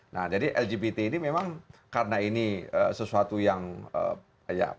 nah jadi lgbt ini memang karena ini sesuatu yang ya